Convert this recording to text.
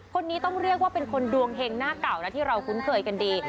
คนนี้ต้องเรียกว่าเป็นคนดวงเฮงหน้าเก่านะที่เราคุ้นเคยกันดี